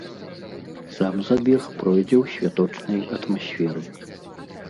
Сам забег пройдзе ў святочнай атмасферы.